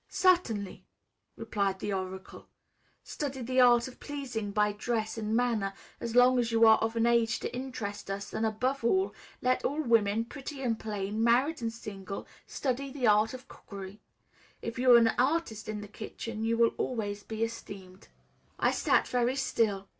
"Certainly," replied the oracle. "Study the art of pleasing by dress and manner as long as you are of an age to interest us, and above all, let all women, pretty and plain, married and single, study the art of cookery. If you are an artist in the kitchen you will always be esteemed." I sat very still.